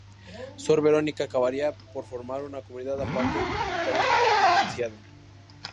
Sor Verónica acabaría por formar una comunidad aparte con un carisma diferenciado.